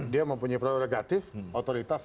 dia mempunyai prerogatif otoritas